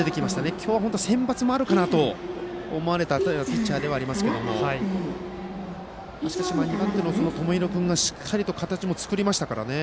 今日は本当先発もあるかなと思われたピッチャーではありますがしかし、２番手の友廣君がしっかりと形を作りましたからね。